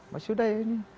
mas sudah ya ini